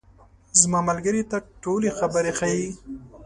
زما ملګري ته ټولې خبرې ښیې.